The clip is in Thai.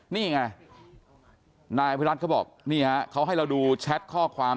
นี่ไงนายอภิรัติเขาบอกนี่ฮะเขาให้เราดูแชทข้อความ